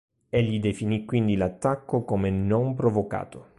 Egli definì quindi l'attacco come "non provocato".